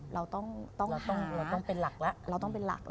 เราต้องต้องหาแล้วต้องเป็นหลัก